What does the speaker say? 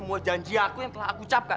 melalui semua janji aku yang telah aku ucapkan